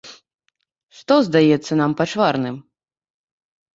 Што здаецца нам пачварным?